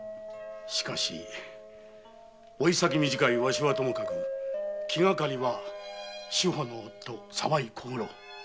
だが老い先短いわしはともかく気がかりは志保の夫沢井小五郎。